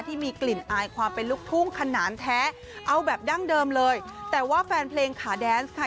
ที่มีกลิ่นอายความเป็นลูกทุ่งขนาดแท้เอาแบบดั้งเดิมเลยแต่ว่าแฟนเพลงขาแดนส์ค่ะ